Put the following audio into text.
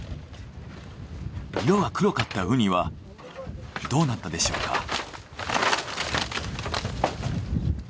色が黒かったウニはどうなったでしょうか？